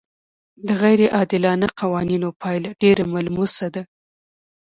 د غیر عادلانه قوانینو پایله ډېره ملموسه ده.